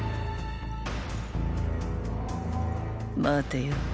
待てよ